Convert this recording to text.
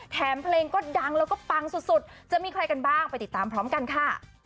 แถมเพลงก็ดังแล้วก็ปังสุดจะมีใครกันบ้างไปติดตามพร้อมกันค่ะ